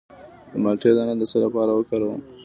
د مالټې دانه د څه لپاره وکاروم؟